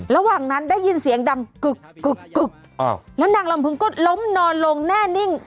ระหว่างนั้นได้ยินเสียงดังกึกกึกแล้วนางลำพึงก็ล้มนอนลงแน่นิ่ง